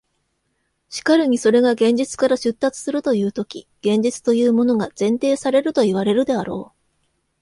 しかるにそれが現実から出立するというとき、現実というものが前提されるといわれるであろう。